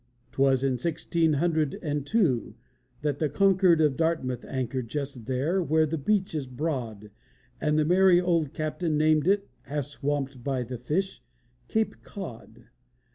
'Twas in sixteen hundred and two "That the Concord of Dartmouth anchored Just there where the beach is broad, And the merry old captain named it (Half swamped by the fish) Cape Cod.